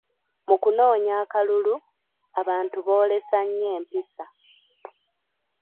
Mu kunoonya akalulu, abantu boolesa nnyo empisa.